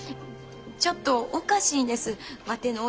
ちょっとおかしいんですワテの親。